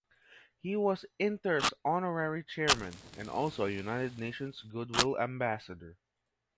He was Inter's honorary chairman, and also a United Nations Goodwill Ambassador.